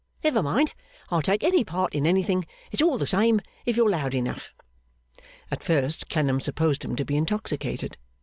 Never mind. I'll take any part in anything. It's all the same, if you're loud enough.' At first Clennam supposed him to be intoxicated.